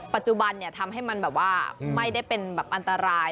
ปัจจุบันทำให้มันแบบว่าไม่ได้เป็นแบบอันตราย